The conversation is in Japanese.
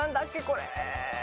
これ。